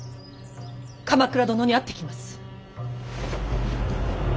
鎌倉殿に会ってきます。